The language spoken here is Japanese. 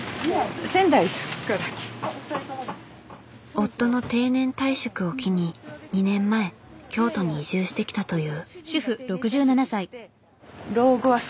夫の定年退職を機に２年前京都に移住してきたという。